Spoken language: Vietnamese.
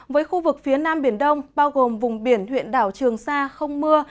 với khu vực phía nam biển đông bao gồm vùng biển huyện đảo trường sa không mưa